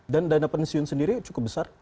dan dana pensiun sendiri cukup besar